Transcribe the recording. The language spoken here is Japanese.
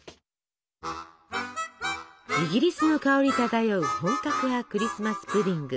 イギリスの香り漂う本格派クリスマス・プディング。